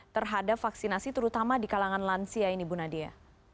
terhadap vaksinasi terutama di kalangan lansia ini bu nadia